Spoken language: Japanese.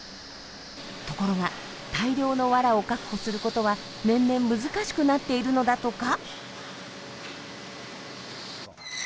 ところが大量のワラを確保することは年々難しくなっているのだとか。